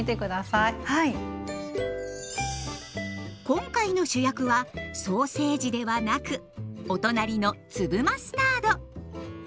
今回の主役はソーセージではなくお隣の粒マスタード。